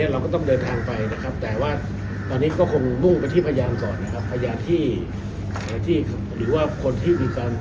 เห็นบอกว่ามีอยู่สิงคโปร์ด้วยกัน